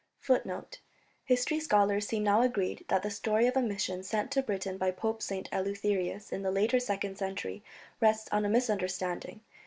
[*] History scholars seem now agreed that the story of a mission sent to Britain by Pope St. Eleutherius in the later second century rests on a misunderstanding.